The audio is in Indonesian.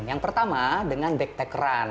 yang pertama dengan backtack run